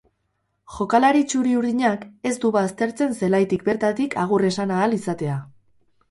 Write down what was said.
Jokalari txuri-urdinak ez du baztertzen zelaitik bertatik agur esan ahal izatea.